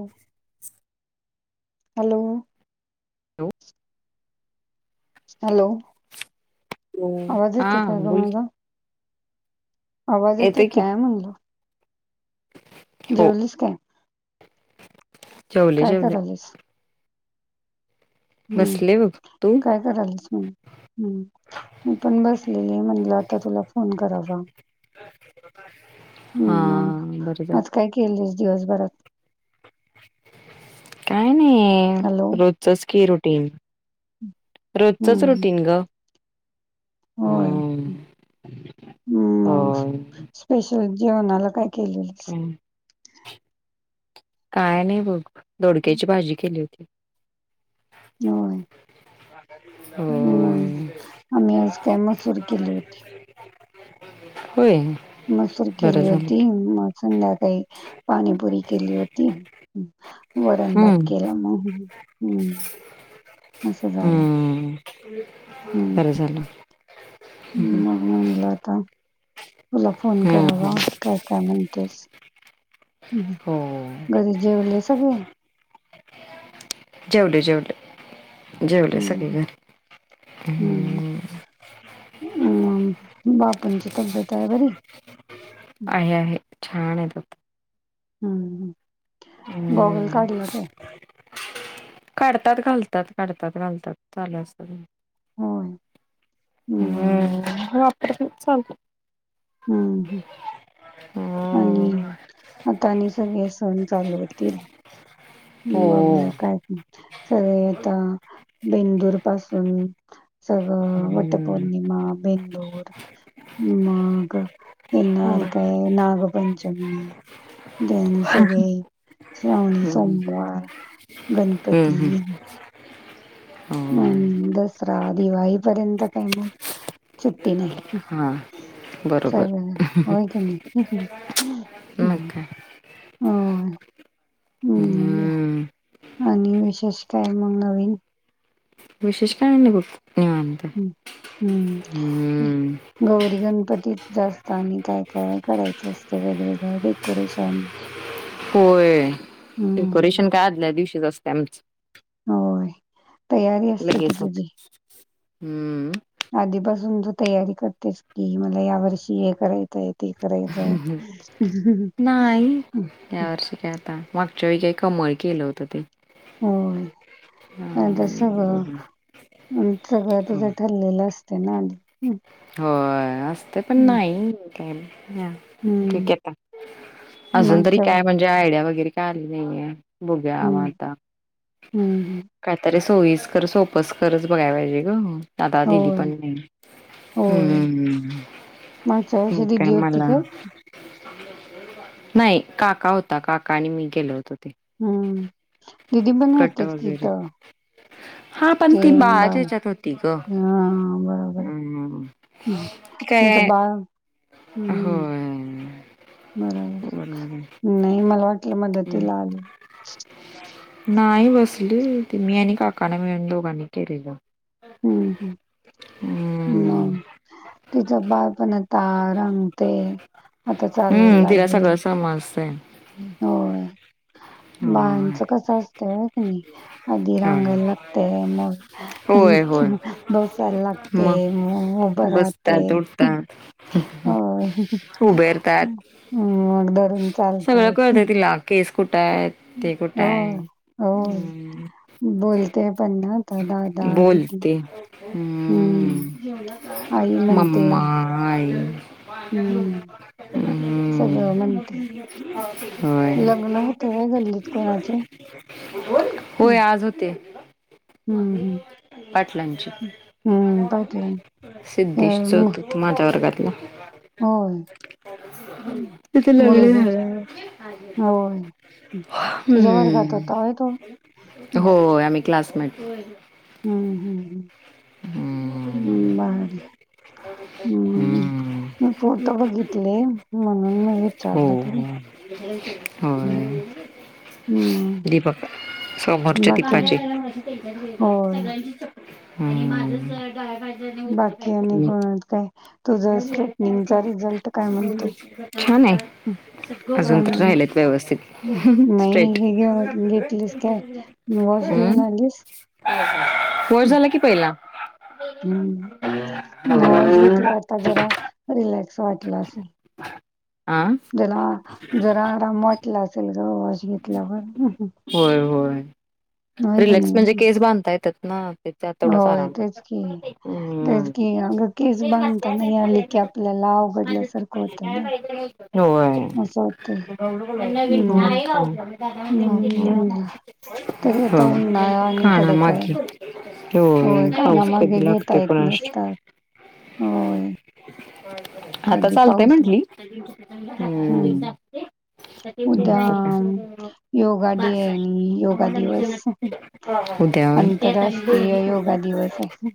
[inaudible] Hello, hello, hello, hello आवाज येतो हा काय ग बोल की. माझा आवाज येतोय काय म्हटल? हो जेवलीस काय? जेवले काय जेवले कराल्यास हम्म, बसले बघ तू काय करायलीस म्हणून? हम्म, मी पण बसलेली म्हणलं आता तुला फोन करावा. हा हम्म मग बरं झालं. आज काय केलीस दिवसभरात? काय हॅलो नाही रोजचंच की रुटीन. रोजचंच हम्म रुटीन ग. होय, हम्म हो मग पेशल जेवणाला काय केली? [unintelligible] काय नाही बघ, दोडक्याची भाजी केली होती. होय. [inaudible] हम्म, आम्ही आज काय मसूर केली होती. होय. मसूर बरं केली झालं होती, की मग संध्याकाळी पाणीपुरी केली हो ती वरण भात हम्म केला मग. हम्. हम्म, हम्म बरं झालं. मग म्हणलं आता तुला फोन हम्म करावा. हम्म काय काय म्हणतेस? हो घरी जेवले सगळे? जेवले जेवले. जेवले हम्म सगळे ह घरी हम्म. अम मग बापूंची तब्येत आहे बरी? आहे आहे, छान आहेत आता. हम्म हम्म, गॉगल हम्म काढला काय? काढतात घालतात, काढतात घालतात, चालू असतं होय. हम्म वापरतेत. [unintelligible] हम्म हम. आणि हम्म आता आणि सगळे सण चालू होतील. हो बघूया काय सगळे आता बेंदूर पासून सगळं हम्म. वटपौर्णिमा, बेंदूर मग [unintelligible] नागपंचमी [unintelligible] सगळे श्रावणी हम्म सोमवार गणपती. हम्म होय [unintelligible] दसरा, दिवाळीपर्यंत काही मग सुट्टी नाही. हा बरोबर सगळं होय की नाही, मग हम्म. काय होय. [unintelligible] हम्म आणि विशेष काय मग नवीन? विशेष काय नाही बघ निवांत. हम्म. हम्म. अम्म. गौरी गणपतीत जास्त आणि काय काय करायचं असते वेगवेगळं डेकोरेशन? होय हम्म डेकोरेशन काय आदल्यादिवशीच असते आमचं. होय तयारी असते की [unintelligible] तुझी. हम्म. आधीपासून तू तयारी करतेस की मला या वर्षी हे करायचं ते करायचं आहे नाही या वर्षी काय आता, मागच्या वेळी काय कमळ केलं होत ते. होय, आता सगळं, सगळं तुझं लिहीलं असते ना आधी. हम्म होय, असते पण हम्म नाही काय हम्म. ठीक हय आता, अजून तरी मागच्या व- काय म्हणजे आयडिया वगैरे काय आली नाहीये. बघूया मग हम्म आता. हम्म कायतरी सोयीस्कर, सोपस्करच बघाय पाहिजे गं, आता दिदी होय पण नाही. होय हम्म्, मागच्या वर्षी काय दिदी होती मला? नाही, काका होता काका आणि मी गेलोतो. हम्म, दिदी पण कट होतीच की वगैरे इथं. हा, पण ते ती बाळ बाळाच्या याच्यात होती गं. हां बरोबर हे, ती त्याच काय बाळ हं, होय. बरोबर आहे, नाही मला वाटलं मदतीला आले. नाही बसली ते मी आणि काकानी मिळून दोघांनी केलेलं. हम्म, हम हम्म मग तिच्या बालपणाता रांग हम्म, तिला सगळं समजतंय. होय बाळांच कसं असतंय की नाही, आधी होय रांगायला लागतेय होय होय मग [unintelligible] बसायला लागते मग उभं राहते. बसतात उठतात [unintelligible] [unintelligible] उबेरतात मग धरून सगळं चालतत. कळतं तिला केस कुठं हायत? हो, हो बोलते पण ना. ददा दा दिदी. बोलते हम्म, जेवला आई का? म्हणते मम्मा, आई. हम्म, [unintelligible] सगळं हम, म्हणते. होय. लग्न होते व्हय गल्लीत कोणाचे? [unintelligible] हं, होय आज होते. हं, हं. [unintelligible] पाटलांची, हं, पाटलां अ, सिद्धीश म चौथू. माझ्या वर्गातला. होय. तिथं लंगडी मुलगीच घालायला. होय. हं. [unintelligible] तुझ्या वर्गात हम, होता व्हय तो? हो आम्ही क्लासमेट. व्हय गं, हो हम्म, हम्म, हम भारी. हम्म. हं, मी फोटो बघितले म्हणून म्हण हो, हो हं, हाय. मग दीपक समोरच्या बाकी दीपाची आणि [unintelligible] होय. हम्म, आणि माझच डाळ बाकी आणि पाहिजे. कोण काय? तुझं स्ट्रेटनिंगचा रिझल्ट काय म्हणतोय? [unintelligible] छान आहे. हं, अजून छान तर आहे ना? राहिलेत व्यवस्थित नाही स्ट्रेट. हे भिजत घेऊन घातल्यात व्हय? घेतलीस काय त्यांच्यातच वॉश घातल्यात. घेऊन [unintelligible] आलीस? [unintelligible] पाऊस झाला की पहिला. हम, मौज घेतलं आता जरा रिलॅक्स वाटला असेल. आं त्याला जरा आराम वाटला असेल ग वॉश घेतल्यावर, हम हम होय हो. रिलॅक्स म्हणजे नाही? केस बांधता येतात ना? त्याच्यात तेवढाच होय आराम. तेच की हम तेच की अगं केस तेल बांधता घातल्यात आणि नाही आली की सगळ्यांच्यात आपल्याला अवघडल्यासारखं होतं ना होय. असं होतंय. मग म्हणून म्हणलं तरी [unintelligible] हा आता उन्हाळा आणि खाणा कडक आहे माघी. होय, पाऊसं कधी कानामागे घेता लागतोय येत कुणास ठाऊक. नसतात होय. आता कधी चालतय पाऊस लाग म्हंटली, हम्म हम् उद्या योगा डे आहे आणि योगा दिवस. उद्या होय आंतरराष्ट्रीय योगा दिवस आहे.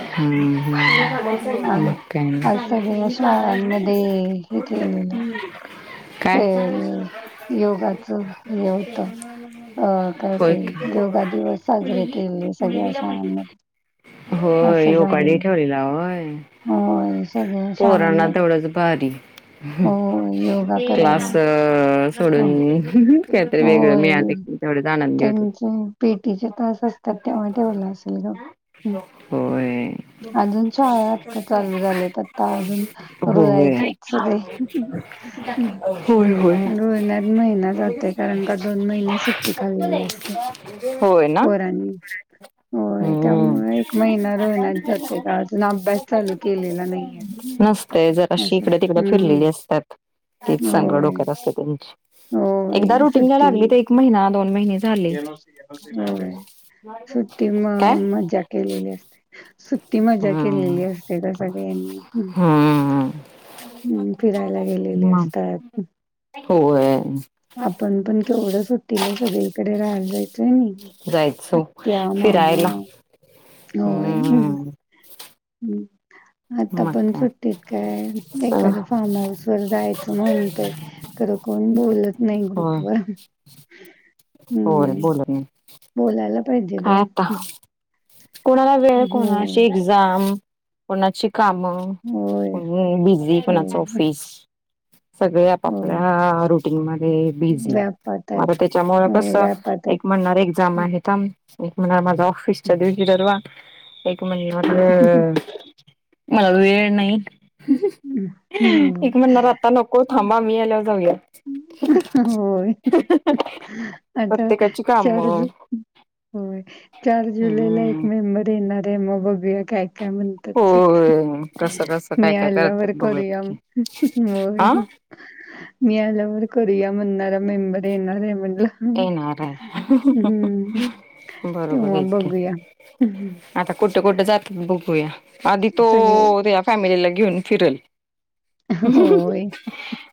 हा हा अं मग काय आज सगळ्या नाही शाळांमध्ये? हे केलेलं. ते काय योगाच हे होत, अ काय? होय ते की. योगा दिवस साजरे केले सगळ्या शाळांमध्ये. होय असं योगा डे झालं ठेवलेला होय. होय सगळ्या पोरांना शाळांमध्ये तेवढंच भारी, हम होय योगा क्लास करायला अ हो सोडून काहीतरी वेगळं होय मिळालं की तेवढंच आनंदी होतात. त्यांचे पीटीचे तास असतात तेव्हा ठेवला असेल गं. होय. अजून शाळा आत्ता चालू झाल्यात आता अजून होय. रुळायचेत सगळे. हं. होय-होय. रुळण्यात महिना जातोय कारण का दोन महिने सुट्टी खाल्लेली असते होय ना? पोरांनी. होय हम्म. त्यामुळे एक महिना रुळण्यात जातोय का अजून अभ्यास चालू केलेला नाहीये. नसतय, जराशी असं इकड तिकडं हम्म फिरलेली असतात. तेच सांगं होय डोक्यात असत त्यांच्या, होय एकदा रुटीन ला सुट्टी लागली ते महिना दोन महिने झाले. नाही, नाही सुट्टी म काय मजा केलेली असते. सुट्टी मजा हम्म केलेली असते त्या सगळ्यांनी. हम्म हम्म, फिरायला गेलेले मग असतात. होय आपण पण केवढ सुट्टीला सगळे इकडे राहयाला जायत हो नाही? जायचो आत्या मामा फिरायला [inaudible] हम्म [unintelligible] आता मग पण काय सुट्टीत काय तर एखाद्या फार्म हाऊस वर जायचं म्हणतोय. खरं कोण बोलत नाही होय ग्रुपवर. होय हम्म. बोलत नाय. बोलायला पाहिजे ग. कोणाला वेळ, कोणाशी होय. एक्झाम. कोणाची काम होय, कोण बिझी कोणाचं होय, ऑफिस. सगळे होय आपपल्या रुटीन मध्ये बिझी. व्यापात मग आहेत. आता त्याच्यामुळे होय कसं? व्यापात आहेत. एक म्हणणार एक्झाम हं, आहे थांब. एक म्हणणार माझा ऑफिसच्या दिवशी ठरवा एक म्हणणार मला वेळ नाही, हं. एक म्हणणार रात आता नको थांबा मी आल्यावर जाऊया. होय आता प्रत्येकाची काम चार्ज होय. चार जुलैला एक हम्म मेंबर येणार आय मग बघूया काय काय म्हणतात ते. होय कसं कसं काय मी काय करतात आल्यावर बघूयात करूया की होय. हा मी आल्यावर करूया म्हणणारा मेंबर देणार आय म्हणलं येणार आहे हम्म बरोबर तेव्हा आहे की बघूया. [inaudible] आता कुठं कुठं जात्यात बघूया आधी तो सगळे त्याच्या फॅमिलीला घेऊन फिरल. होय.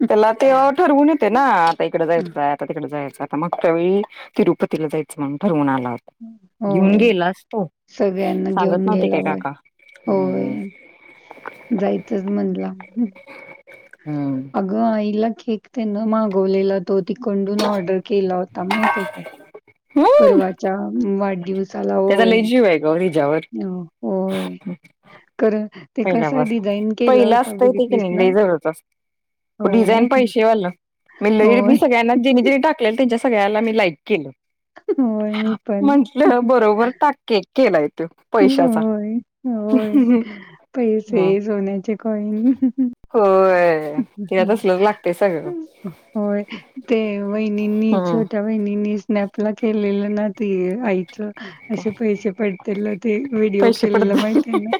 त्याला तो ठरवून येते ना आता इकडं जायचंय आता तिकडे जायचंय आता मागच्या वेळी तिरुपतीला जायचं म्हणून ठरवून आला. घीऊन होय गेलाच तो सगळ्यांना सांगत घेऊन नव्हते गेला काय होय काका. होय हम्म जायचच म्हणला. हम्म. ग आईला केक त्यानं मागवलेलं तो तिकडून ऑर्डर केला होता माहितीये काय? हम्म परवाच्या वाढदिवस त्याचा लय जीव आय ग हिच्यावर. हो होय कारण ते पहिल्या कसा पासून, डिझाईन केला पहिला होता असतंय ती क बघितलीस नाय ना? लय जवळचं असतं. होय, डिझाईन पैशे वाला मी लय मी होय, सगळ्यांना ज्यांनी ज्यांनी टाक लेल्या त्यांच्या सगळ्याला मी लाईक केलं होय मी पण. म्हटलं बरोबर टाक केक केलाय त्यो. होय होय पैसे सोन्याचे कॉइन व्हय तिला तसंच लाग होय ते वहिनींनी च हम्म त्या वहिनींनी स्नॅपला केलेलं ना ती आईचं असे पैसे पडतेल ते व्हिडिओ केलेला माहिती आय ना?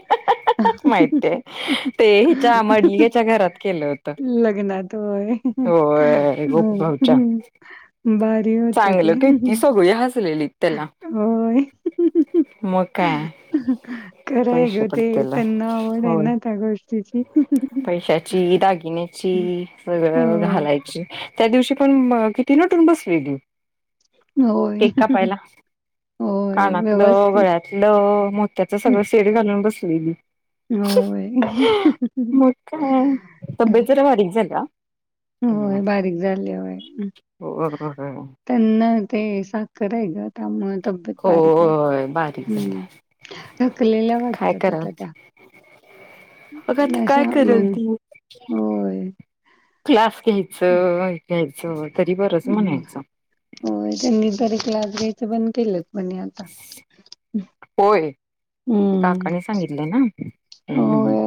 माहती आय ते हिच्या मडलगेच्या घरात केलं होत. लग्नात होय गोपभाऊच्या हम्. चांगलं तितली सगळी हसलेली. त्याला होय. मग काय. खरं आय ग पैसे ते पडतील त्यांना आवड आय होय. ना त्या गोष्टी पैशाची दागिन्याची सगळ हो. घालाय ची त्या दिवशी पण किती नटून बसलेली. होय. केक कापायला. होय कानातलं व्यवस्थित. गळ्यातलं मोत्याच सगळं सेट घालून बसलेली. होय. मग काय तब्येत जरा बारीक झालीया. होय बारीक झालीया होय. [unintelligible] त्यांना ते साखर आय ग त्यामुळ तब्येत बारीक झाली. होय बारीक झाल्या हम्म थकलेल्या काय वाटतात कराल आता त्या. बघ आता काय अशा म्ह करल ती होय. क्लास घ्यायचं हे घ्यायचं तरी बरच हम्म. म्हणायचं. होय त्यांनी तरी क्लास घ्यायचं बंद केलेत म्हणे आता. होय ते हम्म. काकाणी सांगितलं ना? हम्म होय,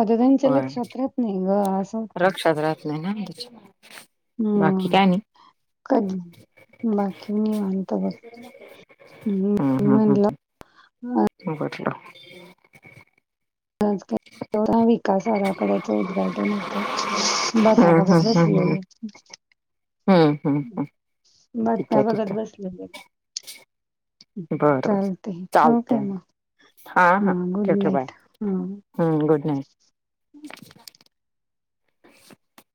आता त्यांच्या होय लक्षात, राहत नाही गं, असं होतय. लक्षात राहत नाही [unintelligible] बाकी हम्, काय नाही कद, बाकी निवांत बघ. ह्म, हम्, हम्, ह. हां. हो [unintelligible] आज काय? [unintelligible] विकास आराखड्याचं, उदघाटन होत, बाता हम्म बघत बसलेलं. हम. बातम्या बघत, बसलेले [unintelligible] आहे बरं बर चालतय ठेवू काय चालतंय म? हा हा हं, ठेव गुड ठेव बाय नाईट, हां. हम्म, गुड नाईट. [unintelligible]